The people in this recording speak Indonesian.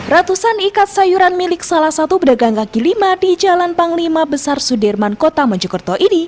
ratusan ikat sayuran milik salah satu pedagang kaki lima di jalan panglima besar sudirman kota mojokerto ini